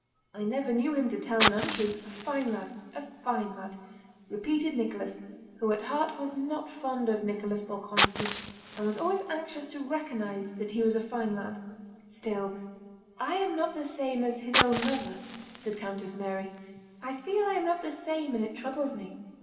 I never knew him to tell an untruth. A fine lad, a fine lad!" repeated Nicholas, who at heart was not fond of Nicholas Bolkónski but was always anxious to recognize that he was a fine lad. "Still, I am not the same as his own mother," said Countess Mary. "I feel I am not the same and it troubles me.